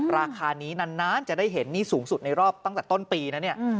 ราคานี้นานจะได้เห็นนี่สูงสุดในรอบตั้งแต่ต้นปีนะเนี่ย